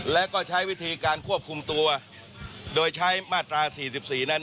และก็ใช้วิธีการควบคุมตัวโดยใช้มาตรา๔๔นั้น